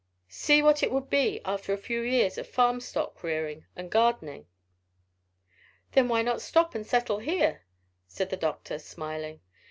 See what it would be after a few years of farm stock rearing and gardening." "Then why not stop and settle here?" said the doctor, smiling.